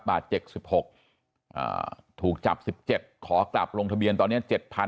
๗๖ถูกจับ๑๗ขอกลับลงทะเบียนตอนนี้๗๐๐